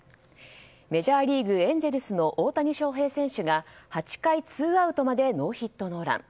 メジャーリーグ、エンゼルスの大谷翔平選手が８回ツーアウトまでノーヒットノーラン。